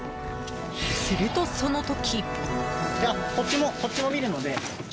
すると、その時。